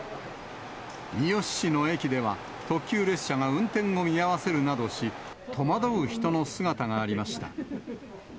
三好市の駅では、特急列車が運転を見合わせるなどし、戸惑う人の姿がありました。